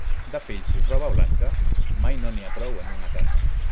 De fills i roba blanca, mai no n'hi ha prou en una casa.